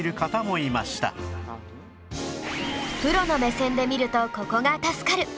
プロの目線で見るとここが助かる！